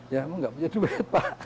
ya emang nggak punya duit pak